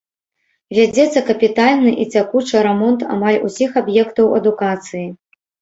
Вядзецца капітальны і цякучы рамонт амаль усіх аб'ектаў адукацыі.